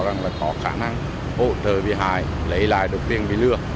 rằng là có khả năng hỗ trợ bị hại lấy lại được tiền bị lừa